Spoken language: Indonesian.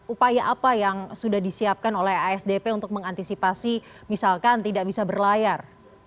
upaya apa yang sudah disiapkan oleh asdp untuk mengantisipasi misalkan tidak bisa berlayar